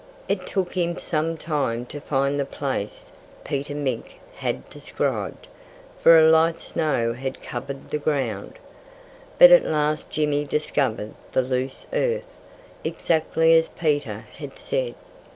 It took him some time to find the place Peter Mink had described, for a light snow had covered the ground. But at last Jimmy discovered the loose earth, exactly as Peter had said.